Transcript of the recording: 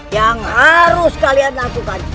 yang harus kalian lakukan